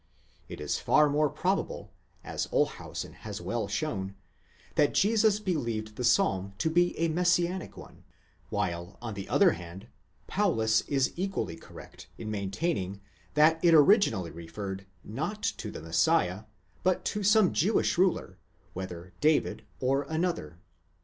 It is far more probable, as Olshausen has well shown, that Jesus believed the psalm to be a messianic one: while, on the other hand, Paulus is equally correct in main taining that it originally referred, not to the Messiah, but to some Jewish ruler, whether David or another.